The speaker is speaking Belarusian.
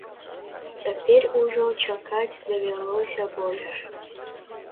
Цяпер ужо чакаць давялося больш.